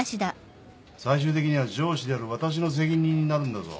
最終的には上司である私の責任になるんだぞ。